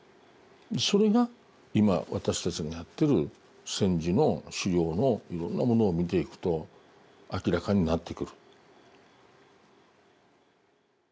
それが今私たちがやってる戦時の資料のいろんなものを見ていくと明らかになってくる。